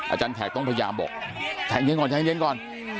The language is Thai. อาจารย์แขกต้องพยายามบอกแขกเย็นก่อน